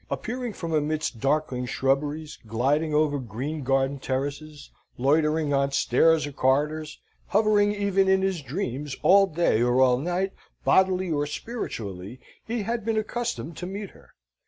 Appearing from amidst darkling shrubberies, gliding over green garden terraces, loitering on stairs or corridors, hovering even in his dreams, all day or all night, bodily or spiritually, he had been accustomed to meet her.